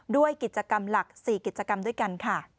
ด้วยกิจกรรมหลัก๔กิจกรรมด้วยกันค่ะ